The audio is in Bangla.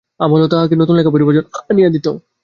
অমলও তাহাকে নূতন লেখা পড়িবার জন্য আনিয়া দিত।